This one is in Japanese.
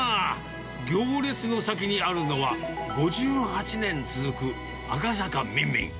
行列の先にあるのは、５８年続く赤坂みんみん。